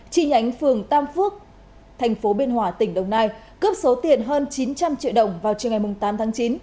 chi nhánh phường tam phước thành phố biên hòa tỉnh đồng nai cướp số tiền hơn chín trăm linh triệu đồng vào chiều ngày tám tháng chín